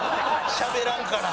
「しゃべらんから」